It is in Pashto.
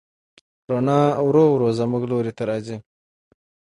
رڼا ورو ورو زموږ لوري ته راځي.